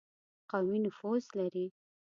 قومي نفوذ لري.